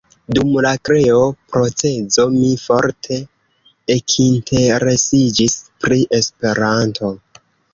Dum la kreo-procezo mi forte ekinteresiĝis pri Esperanto.